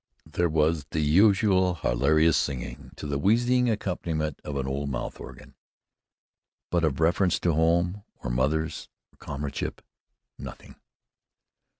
And there was the usual hilarious singing to the wheezing accompaniment of an old mouth organ. But of reference to home, or mothers, or comradeship, nothing.